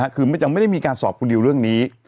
คือยังไม่ได้มีการสอบคุณดิวเรื่องนี้